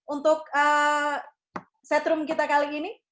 untuk set room kita kali ini